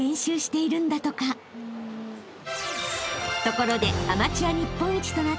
［ところで］